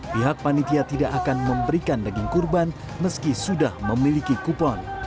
pihak panitia tidak akan memberikan daging kurban meski sudah memiliki kupon